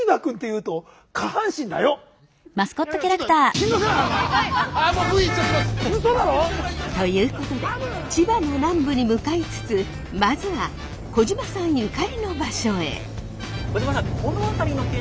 うそだろ？ということで千葉の南部に向かいつつまずは小島さんゆかりの場所へ。